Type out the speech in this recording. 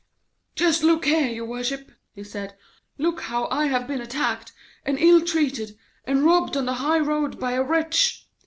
'Just look here, your worship,' he said, 'look how I have been attacked, and ill treated, and robbed on the high road by a wretch.